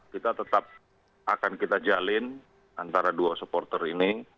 kita tetap akan kita jalin antara dua supporter ini